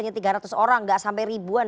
artinya tiga ratus orang gak sampai ribuan